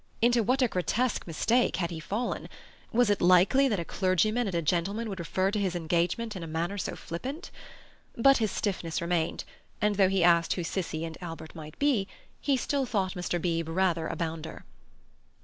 Into what a grotesque mistake had he fallen! Was it likely that a clergyman and a gentleman would refer to his engagement in a manner so flippant? But his stiffness remained, and, though he asked who Cissie and Albert might be, he still thought Mr. Beebe rather a bounder.